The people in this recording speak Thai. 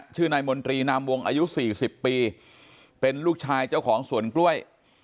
ชื่อนายมนตรีนามวงอายุ๔๐ปีเป็นลูกชายเจ้าของสวนกล้วย